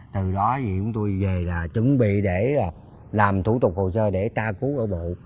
từ đó thì chúng tôi về là chuẩn bị để làm thủ tục hồ sơ để tra cứu ở bự